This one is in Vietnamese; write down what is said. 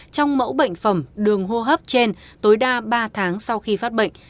trong mẫu bệnh phẩm đường hô hấp trên tối đa ba tháng sau khi phát bệnh